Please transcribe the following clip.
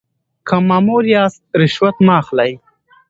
که مامور یاست رشوت مه اخلئ.